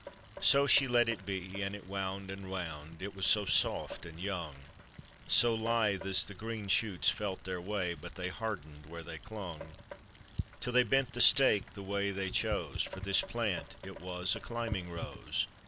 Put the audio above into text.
1 So she let it be, and it wound and wound, It was so soft and young, So lithe as the green shoots felt their way. But they hardened where they clung, Till they bent the stake the way they cl For this plant it was a climbing rose.